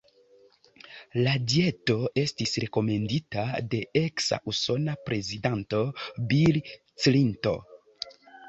La dieto estis rekomendita de eksa usona prezidanto Bill Clinton.